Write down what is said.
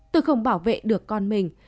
tôi không bảo vệ được con mình